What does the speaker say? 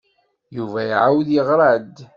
Yuba iɛawed yeɣra-d.